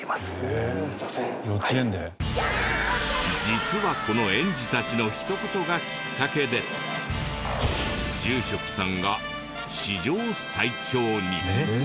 実はこの園児たちのひと言がキッカケで住職さんが史上最強に。